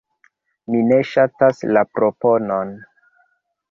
Mi ne ŝatas la proponon.